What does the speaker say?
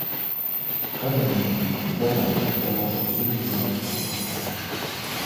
Kale nno bwe baba nga ddala olulimi lwabwe balwagala.